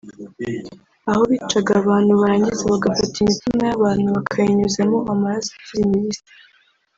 aho bicaga abantu barangiza bagafata imitima y’abantu bakayinyunyuzamo amaroso ikiri mibisi